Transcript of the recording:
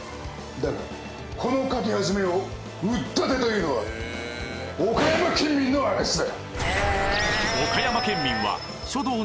だがこの書き始めを「うったて」と言うのは岡山県民の証だ！